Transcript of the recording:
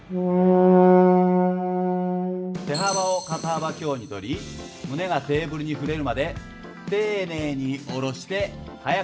手幅を肩幅強にとり胸がテーブルに触れるまで丁寧に下ろして速く上げます。